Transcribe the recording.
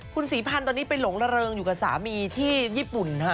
คุณศรีพันธ์ตอนนี้ไปหลงระเริงอยู่กับสามีที่ญี่ปุ่นฮะ